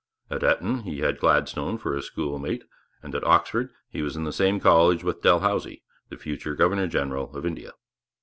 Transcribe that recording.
At Eton he had Gladstone for a school mate, and at Oxford he was in the same college with Dalhousie, the future governor general of India.